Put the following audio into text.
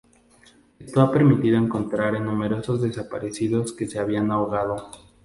Esto ha permitido encontrar en numerosos desaparecidos que se habían ahogado.